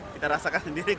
kita rasakan sendiri